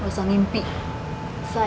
saya tidak akan mempertumbuhkan